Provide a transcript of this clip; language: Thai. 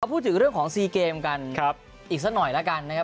พูดถึงเรื่องของซีเกมกันอีกสักหน่อยแล้วกันนะครับ